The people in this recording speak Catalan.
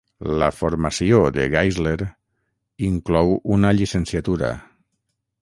La formació de Geisler inclou una llicenciatura.